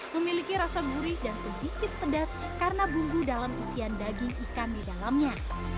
memiliki rasa gurih dan sedikit pedas karena bumbu dalam isian daging ikan di dalamnya